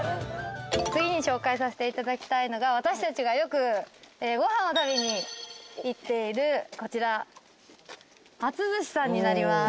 次に紹介させていただきたいのが私たちがよくごはんを食べに行っているこちら松寿しさんになります。